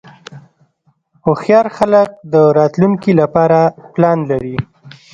هوښیار خلک د راتلونکې لپاره پلان لري.